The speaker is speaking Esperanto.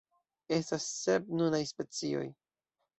Estas sep nunaj specioj.